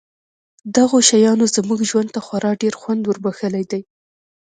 دغو شیانو زموږ ژوند ته خورا ډېر خوند وربښلی دی